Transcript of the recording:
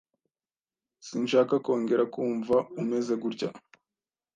Sinshaka kongera kumva umeze gutya.